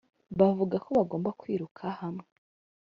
bavuga ko bagomba kwiruka hamwe,